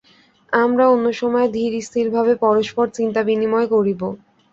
আমরা অন্যসময় ধীর-স্থিরভাবে পরস্পর চিন্তা- বিনিময় করিব।